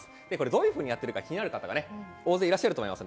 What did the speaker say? どういうふうにやっているか、気になる方、大勢いらっしゃると思います。